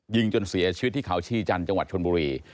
ยิงจนเสียชีวิตที่เขาชีจันทร์จังหวัดชนบุรี